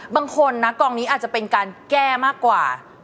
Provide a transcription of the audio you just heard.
บางคนนะกองนี้อาจจะเป็นการแก้มากกว่า